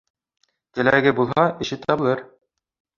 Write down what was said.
Теләге булһа, эше табылыр.